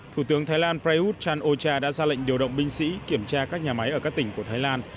thủ tướng thái lan prayuth chan o cha đã ra lệnh điều động binh sĩ kiểm tra các nhà máy ở các tỉnh của thái lan